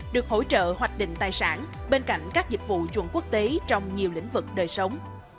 được hỗ trợ hoạch định tài sản bên cạnh các dịch vụ chuẩn quốc tế trong nhiều lĩnh vực đời sống